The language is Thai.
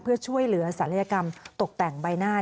เพื่อช่วยเหลือศัลยกรรมตกแต่งใบหน้า